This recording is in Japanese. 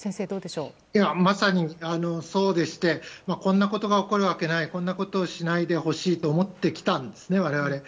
まさにそうでしてこんなことが起きるわけないこんなことをしないでほしいと思ってきたんですね、我々。